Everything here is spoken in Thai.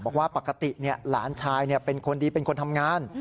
บอกว่าปกติหลานชายเป็นคนดีเป็นคนทำงาน